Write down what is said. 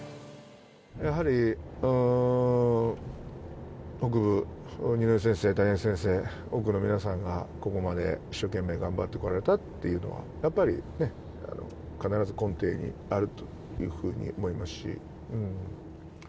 やはり北部、二之湯先生、谷垣先生はじめ多くの皆さんがここまで一生懸命頑張ってこられたっていうのは、やっぱり必ず根底にあるというふうに思いますし。